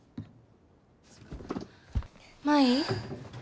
舞。